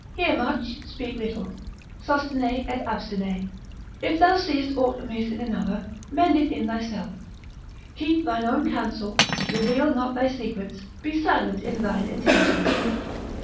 Hear much, speak little, sustine et abstine. If thou seest ought amiss in another, mend it in thyself. Keep thine own counsel, reveal not thy secrets, be silent in thine intentions.